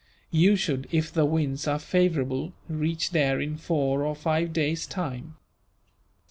You should, if the winds are favourable, reach there in four or five days' time."